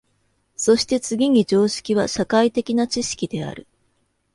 そして次に常識は社会的な知識である。